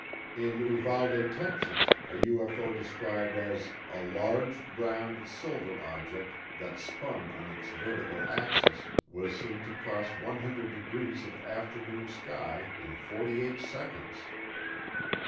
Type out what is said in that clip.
In Uvalde, Texas, a UFO described as "a large, round, silver object that spun on its vertical axis" was seen to cross 100 degrees of afternoon sky in forty eight seconds.